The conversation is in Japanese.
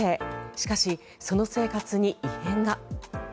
しかし、その生活に異変が。